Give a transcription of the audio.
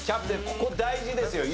ここ大事ですよ。